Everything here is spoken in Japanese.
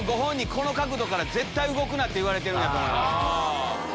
この角度から絶対動くなって言われてると思います。